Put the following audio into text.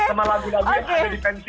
sama lagu lagunya ada di pensi